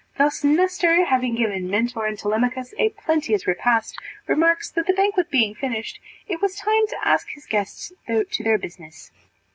Thus Nestor, having given Mentor and Telemachus a plenteous repast, remarks, that the banquet being finished, it was time to ask his guests to their business.